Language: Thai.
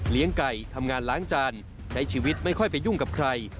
ไก่ทำงานล้างจานใช้ชีวิตไม่ค่อยไปยุ่งกับใคร